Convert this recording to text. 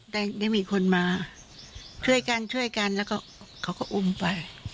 แต่ได้มีคนมาช่วยกันแล้วก็เขาก็อุ้มไป